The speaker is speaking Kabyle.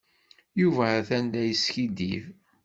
Yuba atan la yeskiddib.